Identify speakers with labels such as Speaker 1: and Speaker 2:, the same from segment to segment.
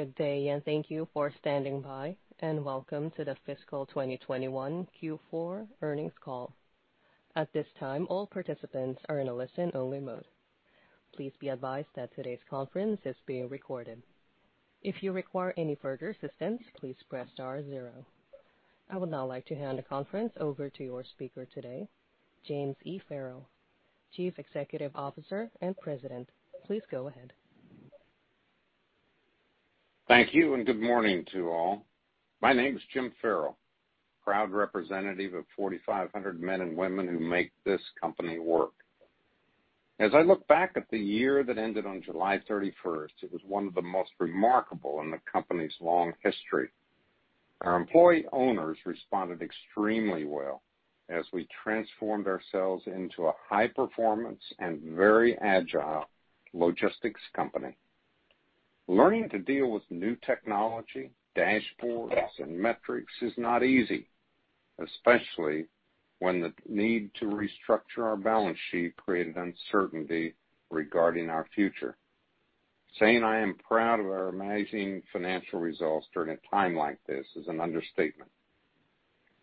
Speaker 1: Good day, and thank you for standing by, and welcome to the fiscal 2021 Q4 earnings call. At this time, all participants are in a listen-only mode. Please be advised that today's conference is being recorded. If you require any further assistance, please press star zero. I would now like to hand the conference over to your speaker today, James E. Ferrell, Chief Executive Officer and President. Please go ahead.
Speaker 2: Thank you, and good morning to all. My name is James E. Ferrell, proud representative of 4,500 men and women who make this company work. As I look back at the year that ended on July 31st, it was one of the most remarkable in the company's long history. Our employee owners responded extremely well as we transformed ourselves into a high-performance and very agile logistics company. Learning to deal with new technology, dashboards, and metrics is not easy, especially when the need to restructure our balance sheet created uncertainty regarding our future. Saying I am proud of our amazing financial results during a time like this is an understatement.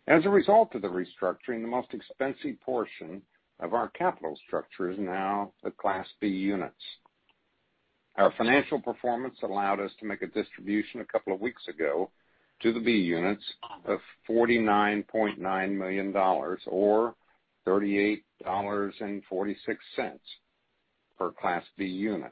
Speaker 2: As a result of the restructuring, the most expensive portion of our capital structure is now the Class B units. Our financial performance allowed us to make a distribution a couple of weeks ago to the Class B units of $49.9 million, or $38.46 per Class B unit,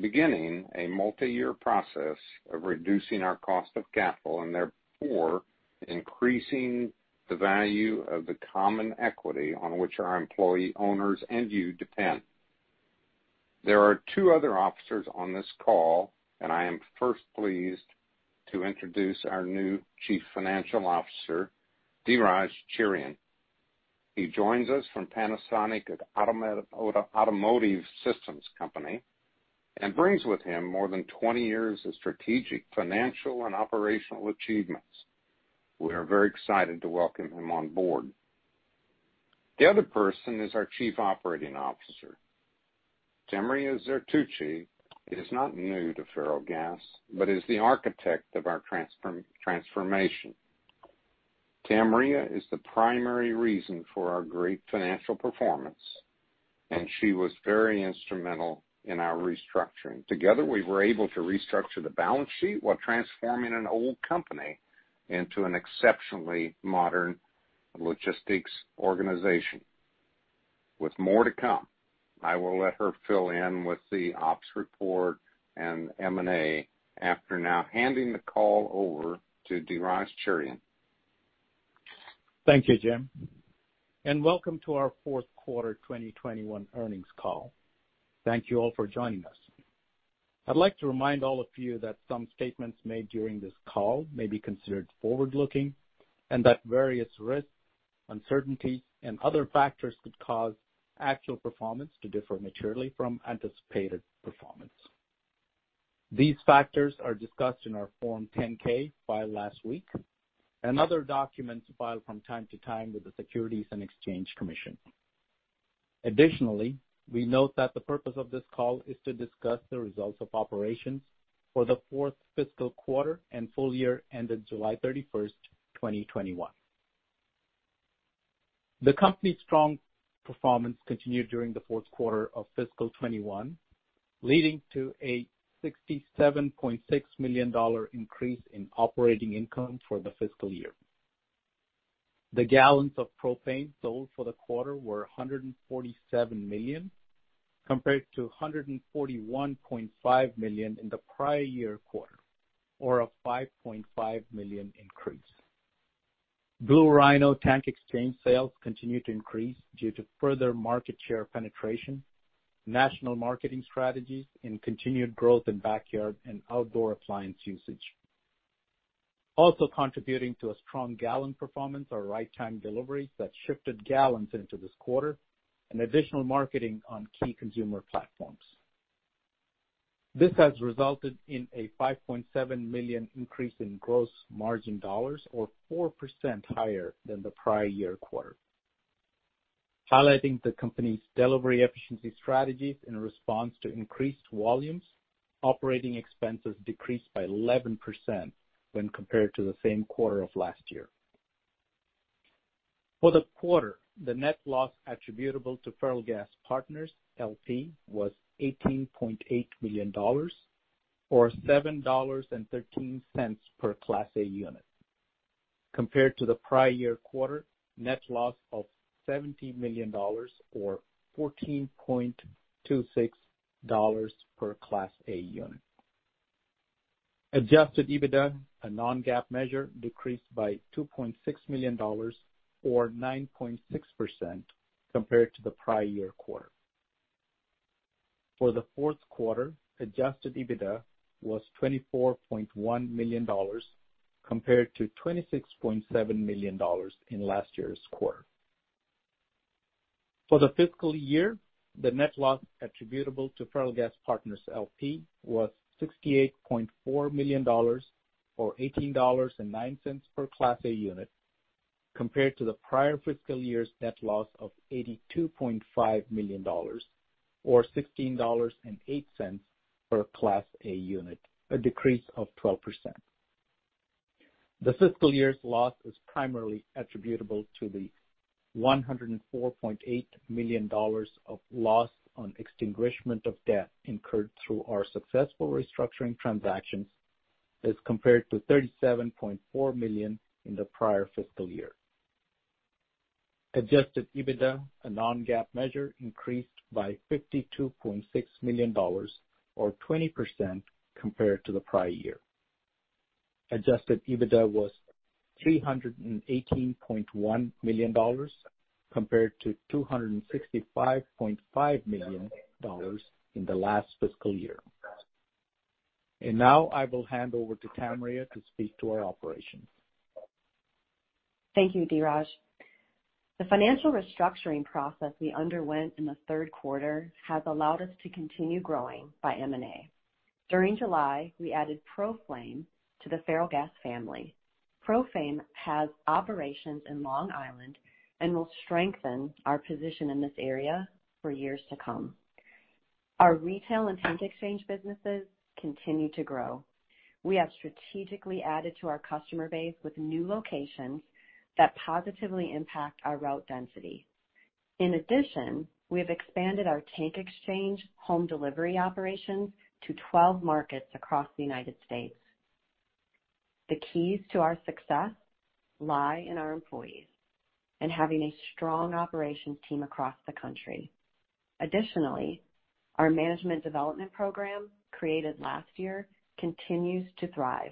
Speaker 2: beginning a multi-year process of reducing our cost of capital and therefore increasing the value of the common equity on which our employee owners and you depend. There are two other officers on this call, and I am first pleased to introduce our new Chief Financial Officer, Dhiraj Cherian. He joins us from Panasonic Automotive Systems Company and brings with him more than 20 years of strategic, financial, and operational achievements. We are very excited to welcome him on board. The other person is our Chief Operating Officer. Tamria Zertuche is not new to Ferrellgas but is the architect of our transformation. Tamria is the primary reason for our great financial performance, and she was very instrumental in our restructuring. Together, we were able to restructure the balance sheet while transforming an old company into an exceptionally modern logistics organization with more to come. I will let her fill in with the ops report and M&A after now handing the call over to Dhiraj Cherian.
Speaker 3: Thank you, Jim, and welcome to our fourth quarter 2021 earnings call. Thank you all for joining us. I'd like to remind all of you that some statements made during this call may be considered forward-looking, and that various risks, uncertainties, and other factors could cause actual performance to differ materially from anticipated performance. These factors are discussed in our Form 10-K filed last week and other documents filed from time to time with the Securities and Exchange Commission. Additionally, we note that the purpose of this call is to discuss the results of operations for the fourth fiscal quarter and full year ended July 31st, 2021. The company's strong performance continued during the fourth quarter of fiscal 2021, leading to a $67.6 million increase in operating income for the fiscal year. The gallons of propane sold for the quarter were 147 million, compared to 141.5 million in the prior year quarter, or a 5.5 million increase. Blue Rhino tank exchange sales continued to increase due to further market share penetration, national marketing strategies, and continued growth in backyard and outdoor appliance usage. Also contributing to a strong gallon performance are right-time deliveries that shifted gallons into this quarter and additional marketing on key consumer platforms. This has resulted in a $5.7 million increase in gross margin dollars, or 4% higher than the prior year quarter. Highlighting the company's delivery efficiency strategies in response to increased volumes, operating expenses decreased by 11% when compared to the same quarter of last year. For the quarter, the net loss attributable to Ferrellgas Partners, L.P. Was $18.8 million, or $7.13 per Class A unit, compared to the prior year quarter net loss of $17 million, or $14.26 per Class A unit. Adjusted EBITDA, a non-GAAP measure, decreased by $2.6 million, or 9.6%, compared to the prior year quarter. For the fourth quarter, Adjusted EBITDA was $24.1 million, compared to $26.7 million in last year's quarter. For the fiscal year, the net loss attributable to Ferrellgas Partners, L.P. was $68.4 million, or $18.09 per Class A unit. Compared to the prior fiscal year's net loss of $82.5 million, or $16.08 per Class A unit, a decrease of 12%. The fiscal year's loss is primarily attributable to the $104.8 million of loss on extinguishment of debt incurred through our successful restructuring transactions as compared to $37.4 million in the prior fiscal year. Adjusted EBITDA, a non-GAAP measure, increased by $52.6 million or 20% compared to the prior year. Adjusted EBITDA was $318.1 million compared to $265.5 million in the last fiscal year. Now I will hand over to Tamria to speak to our operations.
Speaker 4: Thank you, Dhiraj. The financial restructuring process we underwent in the third quarter has allowed us to continue growing by M&A. During July, we added Proflame to the Ferrellgas family. Proflame has operations in Long Island and will strengthen our position in this area for years to come. Our retail and tank exchange businesses continue to grow. We have strategically added to our customer base with new locations that positively impact our route density. In addition, we have expanded our tank exchange home delivery operations to 12 markets across the United States. The keys to our success lie in our employees and having a strong operations team across the country. Additionally, our management development program, created last year, continues to thrive.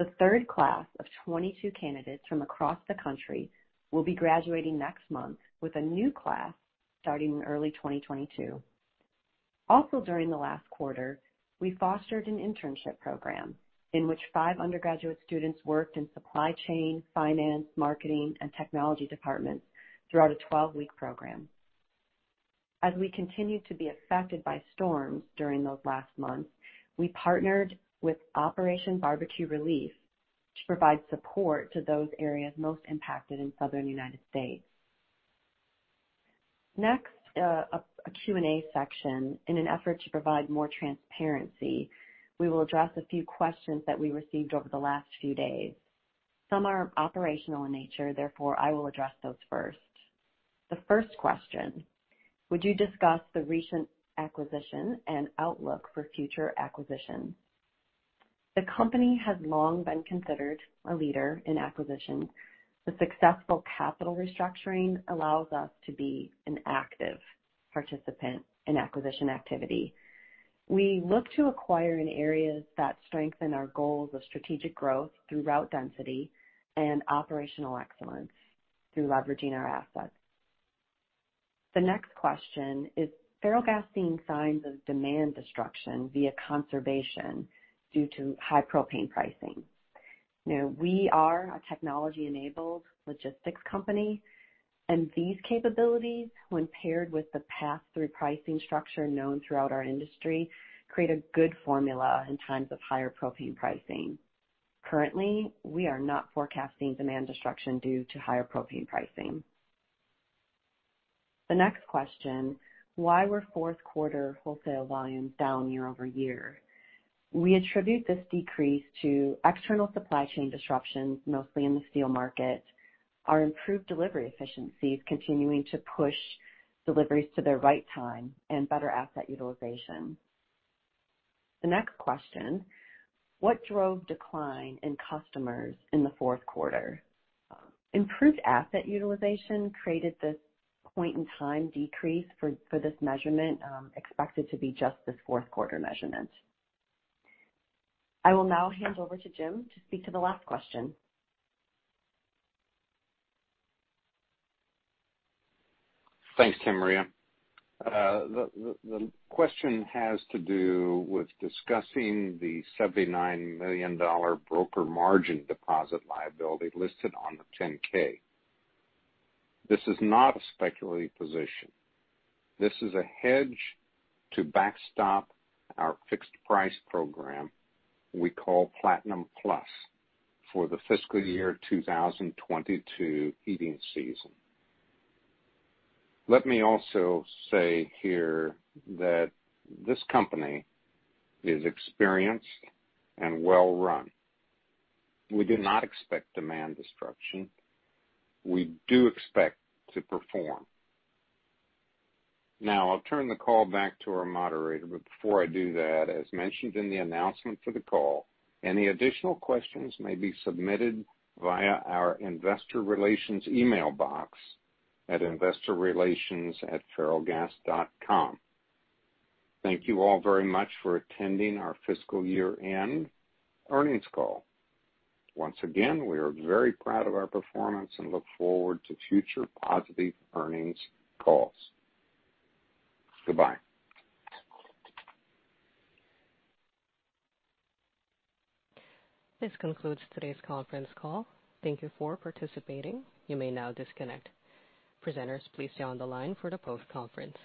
Speaker 4: The third class of 22 candidates from across the country will be graduating next month with a new class starting in early 2022. During the last quarter, we fostered an internship program in which five undergraduate students worked in supply chain, finance, marketing, and technology departments throughout a 12-week program. We continued to be affected by storms during those last months, we partnered with Operation BBQ Relief to provide support to those areas most impacted in southern U.S. Next, a Q&A section. In an effort to provide more transparency, we will address a few questions that we received over the last few days. Some are operational in nature, therefore I will address those first. The first question: Would you discuss the recent acquisition and outlook for future acquisitions? The company has long been considered a leader in acquisitions. The successful capital restructuring allows us to be an active participant in acquisition activity. We look to acquire in areas that strengthen our goals of strategic growth through route density and operational excellence through leveraging our assets. The next question: Is Ferrellgas seeing signs of demand destruction via conservation due to high propane pricing? We are a technology-enabled logistics company, and these capabilities, when paired with the pass-through pricing structure known throughout our industry, create a good formula in times of higher propane pricing. Currently, we are not forecasting demand destruction due to higher propane pricing. The next question: Why were fourth quarter wholesale volumes down year-over-year? We attribute this decrease to external supply chain disruptions, mostly in the steel market, our improved delivery efficiencies continuing to push deliveries to their right-time, and better asset utilization. The next question: What drove decline in customers in the fourth quarter? Improved asset utilization created this point in time decrease for this measurement, expected to be just this fourth quarter measurement. I will now hand over to James to speak to the last question.
Speaker 2: Thanks, Tamria. The question has to do with discussing the $79 million broker margin deposit liability listed on the 10-K. This is not a speculative position. This is a hedge to backstop our fixed price program we call Platinum Plus for the fiscal year 2022 heating season. Let me also say here that this company is experienced and well run. We do not expect demand destruction. We do expect to perform. Now, I'll turn the call back to our moderator, but before I do that, as mentioned in the announcement for the call, any additional questions may be submitted via our investor relations email box at investorrelations@ferrellgas.com. Thank you all very much for attending our fiscal year-end earnings call. Once again, we are very proud of our performance and look forward to future positive earnings calls. Goodbye.
Speaker 1: This concludes today's conference call. Thank you for participating. You may now disconnect. Presenters, please stay on the line for the post-conference.